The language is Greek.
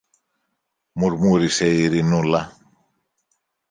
μουρμούρισε η Ειρηνούλα.